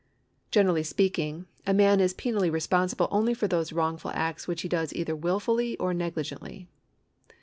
Generally speaking, a man is penally responsible only for those wrongful acts which he does either wilfully or negli gently.